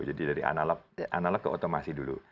jadi dari analog ke otomasi dulu